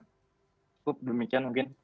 cukup demikian mungkin